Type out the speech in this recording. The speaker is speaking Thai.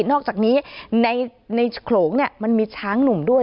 นอกจากนี้ในโขลงมันมีช้างหนุ่มด้วย